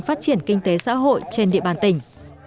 phát triển kinh tế xã hội trên địa bàn tỉnh